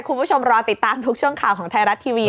คุณผู้ชมรอติดตามทุกช่วงข่าวของไทยรัฐทีวี